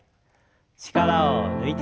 力を抜いて。